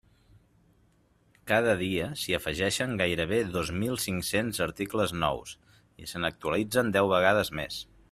Cada dia, s'hi afegeixen gairebé dos mil cinc-cents articles nous, i se n'actualitzen deu vegades més.